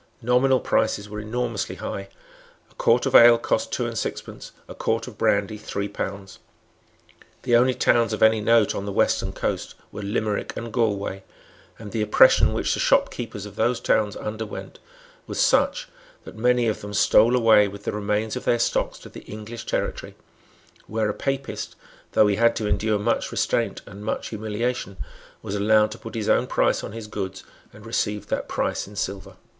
Nominal prices were enormously high. A quart of ale cost two and sixpence, a quart of brandy three pounds. The only towns of any note on the western coast were Limerick and Galway; and the oppression which the shopkeepers of those towns underwent was such that many of them stole away with the remains of their stocks to the English territory, where a Papist, though he had to endure much restraint and much humiliation, was allowed to put his own price on his goods, and received that price in silver.